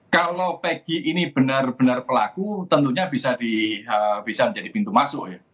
kalau peggy ini benar benar pelaku tentunya bisa jadi pintu masuk